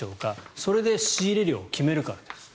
それで仕入れ量を決めるからです。